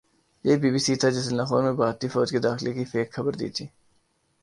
یہی B B C تھا جس نے لاہور میں بھارتی فوج کے داخلے کی فیک خبر دی تھی